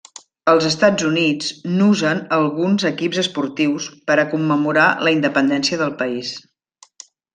Als Estats Units n'usen alguns equips esportius per a commemorar la independència del país.